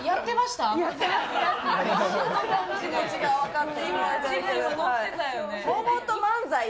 気持ちが分かるな。